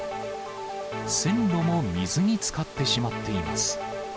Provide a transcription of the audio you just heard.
線路も水につかってしまっています。